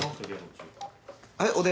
はい。